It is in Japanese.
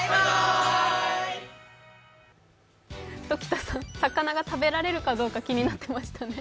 鴇田さん、魚が食べられるかどうか気になってましたね。